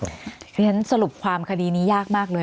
เพราะฉะนั้นสรุปความคดีนี้ยากมากเลย